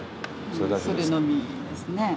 それのみですね。